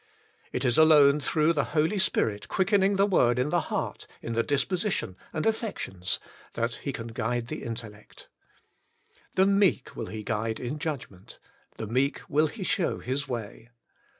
It is alone through the Holy Spirit quickening the Word in the heart, in the dispo sition and affections, that He can guide the intel lect. ^^ The meek will He guide in judgment ; the meek will He shew his way."